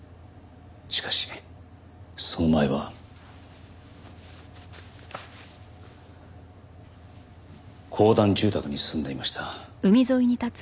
しかしその前は公団住宅に住んでいました。